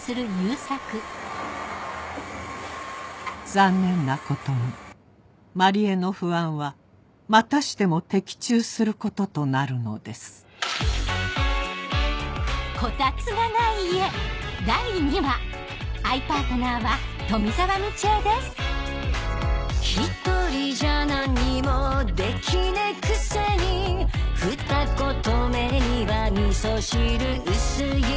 残念なことに万里江の不安はまたしても的中することとなるのですひとりじゃなんにもできねぇくせにふたことめには「みそ汁うすい」